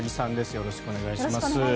よろしくお願いします。